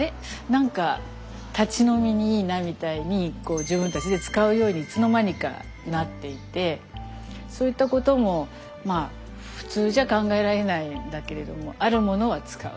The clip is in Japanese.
何か立ち飲みにいいなみたいに自分たちで使うようにいつの間にかなっていてそういったことも普通じゃ考えられないんだけれどもあるものは使う。